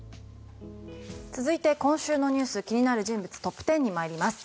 続いて今週の気になる人物トップ１０に参ります。